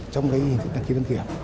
trong cái hình thức đăng ký đăng kiểm